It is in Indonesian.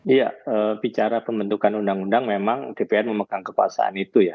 iya bicara pembentukan undang undang memang dpr memegang kekuasaan itu ya